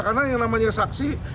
karena yang namanya saksi